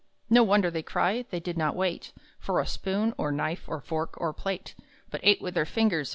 No wonder they cry; they did not wait For a spoon, or knife, or fork, or plate, But ate with their fingers!